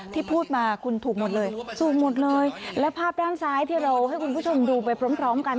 ที่พูดมาคุณถูกหมดเลยถูกหมดเลยและภาพด้านซ้ายที่เราให้คุณผู้ชมดูไปพร้อมพร้อมกัน